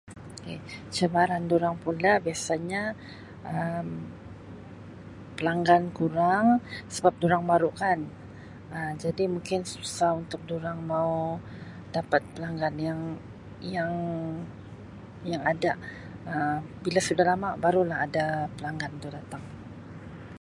K, cabaran durang pula biasanya Um pelanggan kurang sebab durang baru kan Um jadi mungkin susah untuk durang mau dapat pelanggan yang-yang-yang ada Um bila sudah lama baru lah ada pelanggan tu datang.